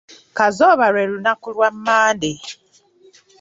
"Kazooba lwe lunaku lwa ""Monday""."